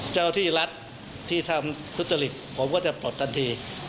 เจ้าที่รัฐที่ทำทุจริตผมก็จะปลดทันที